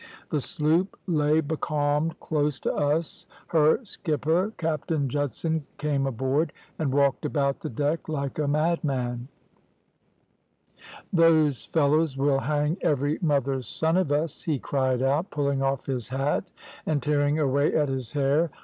"The sloop lay becalmed close to us; her skipper, Captain Judson, came aboard, and walked about the deck like a madman. "`Those fellows will hang every mother's son of us!' he cried out, pulling off his hat, and tearing away at his hair.